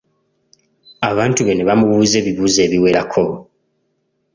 Abantu be ne bamubuuza ebibuuzo ebiwerako.